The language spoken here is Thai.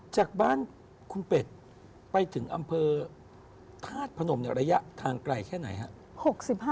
จากบ้านคุณเป็ดไปถึงอำเภอธาตุพนมในระยะทางไกลแค่ไหนครับ